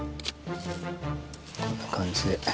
こんな感じで。